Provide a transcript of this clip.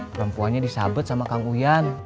perempuannya disabet sama kang uyan